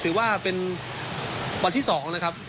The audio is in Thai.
ถือว่าเป็นวันที่๒นะครับ